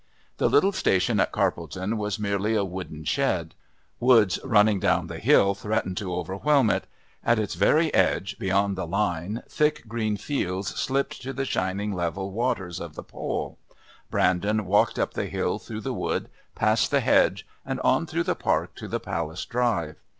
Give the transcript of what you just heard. The little station at Carpledon was merely a wooden shed. Woods running down the hill threatened to overwhelm it; at its very edge beyond the line, thick green fields slipped to the shining level waters of the Pol. Brandon walked up the hill through the wood, past the hedge and on through the Park to the Palace drive.